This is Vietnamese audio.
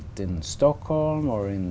hoặc hồ chí minh